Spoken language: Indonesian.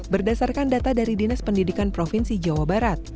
berdasarkan data dari dinas pendidikan provinsi jawa barat